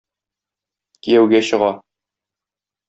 Кияүгә чыга.